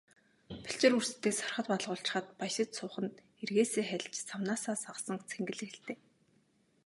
Балчир үрстээ сархад балгуулчхаад баясаж суух нь эргээсээ хальж, савнаасаа сагасан цэнгэл гэлтэй.